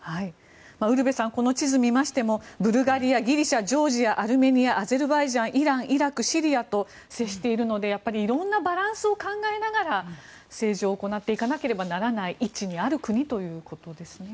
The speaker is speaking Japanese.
ウルヴェさん地図を見ましてもブルガリア、ジョージアアルメニア、アゼルバイジャンイラン、イラク、シリアと接しているのでいろんなバランスを考えながら政治を行っていかなければならない位置にあるということですね。